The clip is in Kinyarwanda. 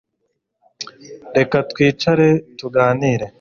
Reka twicare tuganire